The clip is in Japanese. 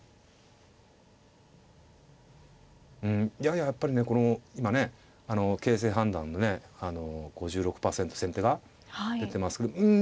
うんやややっぱりねこの今ね形勢判断でね５６％先手が出てますけどうん